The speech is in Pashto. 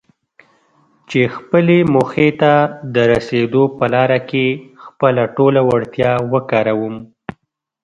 چې خپلې موخې ته د رسېدو په لاره کې خپله ټوله وړتيا وکاروم.